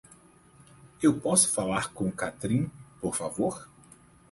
Eu posso falar com Catrin, por favor?